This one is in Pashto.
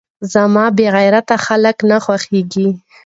زما بې غيرته خلک نه خوښېږي .